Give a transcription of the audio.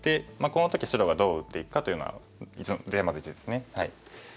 この時白がどう打っていくかというのがテーマ図１ですね。